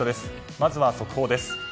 まずは速報です。